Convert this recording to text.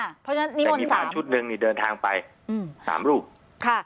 เพราะฉะนั้นนิมนต์สามแต่มีบ้านชุดหนึ่งนี่เดินทางไปอืมสามรูปค่ะ